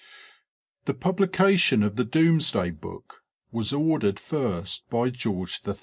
The publication of the Domesday Book was ordered first by George III.